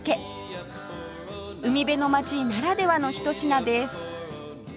海辺の町ならではのひと品です